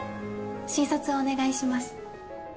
診察をお願いします。